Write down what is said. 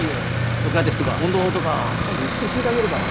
ソクラテスとか問答法とか今度ゆっくり聞いてあげるから。